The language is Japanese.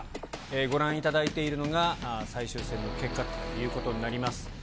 ご覧いただいているのが、最終戦の結果ということになります。